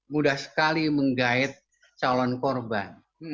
mudah sekali menggait calon korban